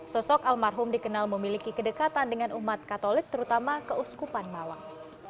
sosok almarhum dikenal memiliki kedekatan dengan umat katolik terutama keuskupan mawang